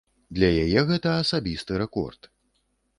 Для яе гэта асабісты рэкорд.